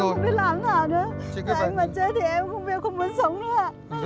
anh mà chết thì em không biết không muốn sống nữa ạ